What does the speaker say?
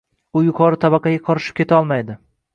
U yuqori tabaqaga qorishib ketolmaydi